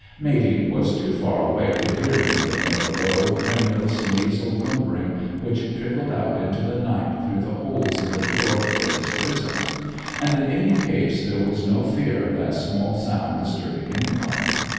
Matey was too far away to hear anything of the low, tremulous, nasal whimpering which trickled out into the night through the holes in the door of Finn's prison; and, in any case, there was no fear of that small sound disturbing any one.